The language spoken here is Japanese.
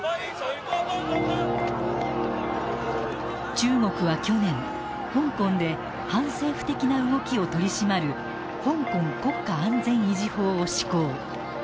中国は去年香港で反政府的な動きを取り締まる香港国家安全維持法を施行。